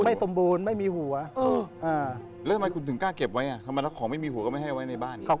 ไม่สมบูรณ์ไม่มีหัวแล้วทำไมคุณถึงกล้าเก็บไว้อ่ะทำไมแล้วของไม่มีหัวก็ไม่ให้ไว้ในบ้านอีก